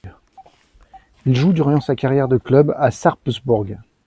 Il joue durant sa carrière de club à Sarpsborg.